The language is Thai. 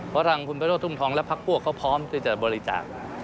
เพราะทางคุณประโรธทุ่มทองและพักพวกเขาพร้อมที่จะบริจาค